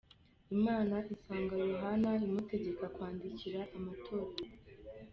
Imana isanga Yohana imutegeka kwandikira amatorero.